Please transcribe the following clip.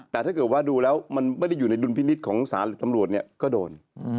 แต่ถ้าเกิดว่าดูแล้วมันไม่ได้อยู่ในดุลพินิษฐ์ของสารตำรวจเนี่ยก็โดน